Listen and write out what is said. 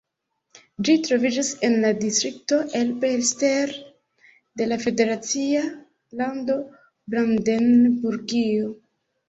Ĝi troviĝas en la distrikto Elbe-Elster de la federacia lando Brandenburgio.